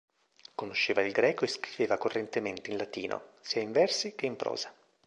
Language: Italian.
Conosceva il greco e scriveva correntemente in latino, sia in versi che in prosa.